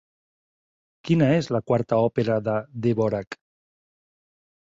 Quina és la quarta òpera de Dvořák?